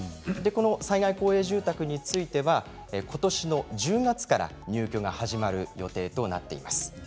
災害公営住宅についてはことしの１０月から入居が始まる予定です。